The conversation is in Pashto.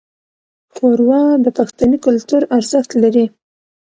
ښوروا د پښتني کلتور ارزښت لري.